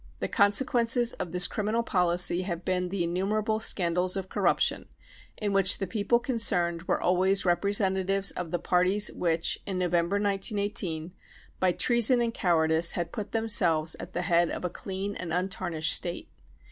The consequences of this criminal policy have been the innumerable scandals of corruption, in which the people concerned were always representatives of the parties which, in November 1918, by treason and cowardice had put themselves at the head of a clean and untarnished State.